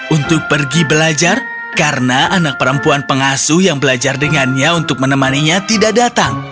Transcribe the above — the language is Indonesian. untuk pergi belajar karena anak perempuan pengasuh yang belajar dengannya untuk menemaninya tidak datang